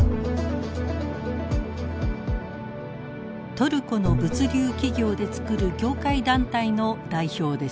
トルコの物流企業でつくる業界団体の代表です。